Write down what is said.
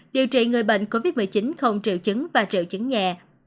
điều trị người bệnh covid một mươi chín không triệu chứng và triệu chứng nhẹ